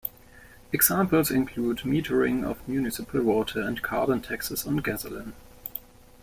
Examples include metering of municipal water, and carbon taxes on gasoline.